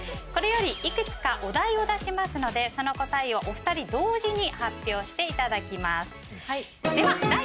これより幾つかお題を出しますのでその答えをお二人同時に発表していただきます。